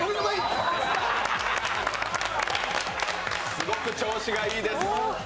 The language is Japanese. すごく調子がいいです。